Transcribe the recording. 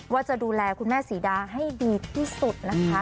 ว่าจะดูแลคุณแม่ศรีดาให้ดีที่สุดนะคะ